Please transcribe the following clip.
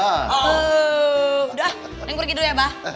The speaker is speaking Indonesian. tuh udah neng pergi dulu ya abah